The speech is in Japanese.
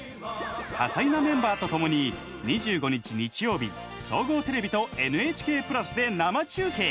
多彩なメンバーとともに２５日、日曜日総合テレビとＮＨＫプラスで生中継。